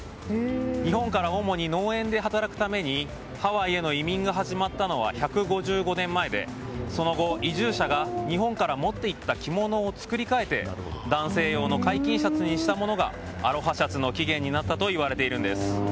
日本から主に農園で働くためにハワイへの移民が始まったのは１５５年前でその後、移住者が日本から持って行った着物を作り変えて男性用の開襟シャツにしたものがアロハシャツの起源になったといわれているんです。